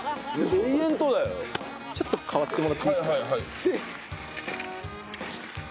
延々とだよ。ちょっと代わってもらっていいですか？